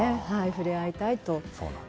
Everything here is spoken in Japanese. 触れ合いたいと。